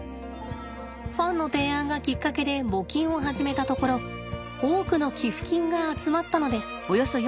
ファンの提案がきっかけで募金を始めたところ多くの寄付金が集まったのです。